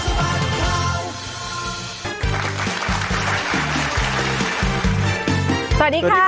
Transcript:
คู่กัดสะบัดคร่าว